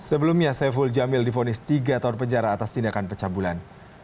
sebelumnya saiful jamil difonis tiga tahun penjara atas tindakan pecah bulan